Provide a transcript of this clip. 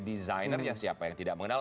desainernya siapa yang tidak mengenal